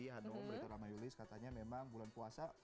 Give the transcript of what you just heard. hanum berita ramayulis katanya memang bulan puasa